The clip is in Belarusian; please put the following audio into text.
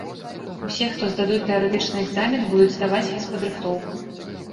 Усе, хто здадуць тэарэтычны экзамен, будуць здаваць фізпадрыхтоўку.